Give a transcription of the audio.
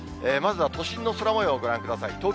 まずは、都心の空もようをご覧ください。